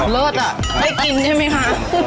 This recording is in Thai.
เลิศอ่ะได้กินใช่ไหมคะ